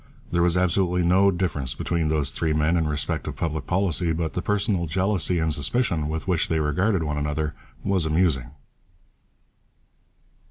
There was absolutely no difference between those three men in respect of public policy, but the personal jealousy and suspicion with which they regarded one another was amusing.